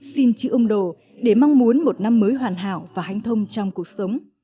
xin chữ ông đồ để mong muốn một năm mới hoàn hảo và hành thông trong cuộc sống